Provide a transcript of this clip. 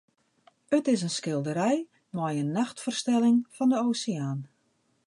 It is in skilderij mei in nachtfoarstelling fan de oseaan.